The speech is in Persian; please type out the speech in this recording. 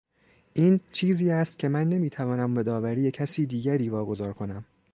این چیزی است که من نمیتوانم به داوری کسی دیگری واگذار کنم.